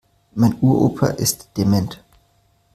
Mein Uropa ist dement.